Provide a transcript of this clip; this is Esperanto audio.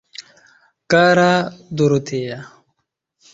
Kara Dorotea!